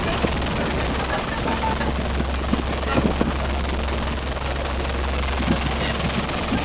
wa Simbamweni na kisha sehemu fulani ya mji wa sasa wa Morogoro na eneo